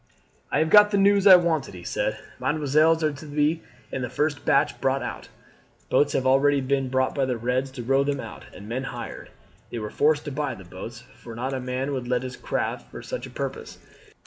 "I have got the news I wanted," he said. "Mesdemoiselles are to be in the first batch brought out. Boats have already been bought by the Reds to row them out, and men hired. They were forced to buy the boats, for not a man would let his craft for such a purpose.